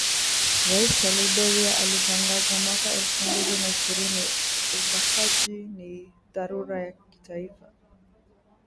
Rais wa Liberia alitangaza mwaka elfu mbili na ishirini ubakaji ni dharura ya kitaifa